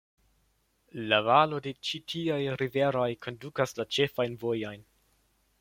La valo de ĉi tiuj riveroj kondukas la ĉefajn vojojn.